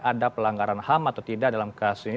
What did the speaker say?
ada pelanggaran ham atau tidak dalam kasus ini